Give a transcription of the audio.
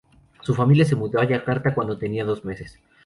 Su familia se mudó a Yakarta cuando tenía dos meses.